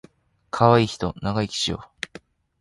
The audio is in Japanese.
かわいいひと長生きしよ